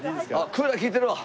クーラー利いてるわ！